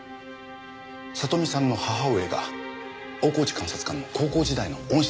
聡美さんの母上が大河内監察官の高校時代の恩師なんです。